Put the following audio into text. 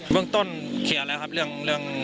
เมืองต้นเคลียร์แล้วครับเรื่อง